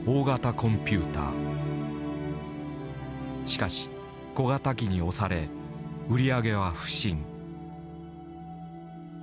しかし小型機に押され売り上げは不振。